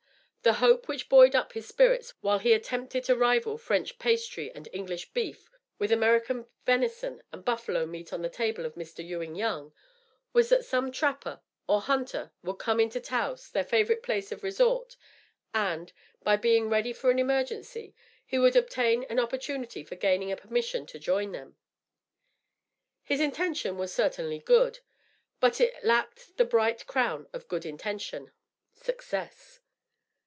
The hope which buoyed up his spirits while he attempted to rival French pastry and English beef with American venison and Buffalo meat on the table of Mr. Ewing Young, was that some trapper, or hunter, would come into Taos, their favorite place of resort; and, by being ready for an emergency, he would obtain an opportunity for gaining a permission to join them. His intention was certainly good, but it lacked the bright crown of good intention success.